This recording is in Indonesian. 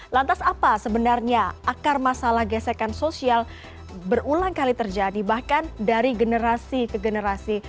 lantas apa sebenarnya akar masalah gesekan sosial berulang kali terjadi bahkan dari generasi ke generasi